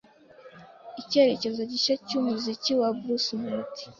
Icyerekezo gishya cy’umuziki wa Bruce Melodie